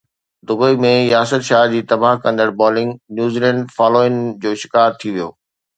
Dubai ۾ Yasir Shah جي تباهه ڪندڙ بالنگ، نيوزيلينڊ فالو آن جو شڪار ٿي ويو